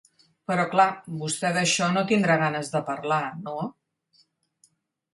Però clar, vostè d’això no tindrà ganes de parlar, no?